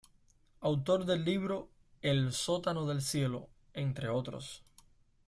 Autor del libro "El sótano del Cielo" entre otros.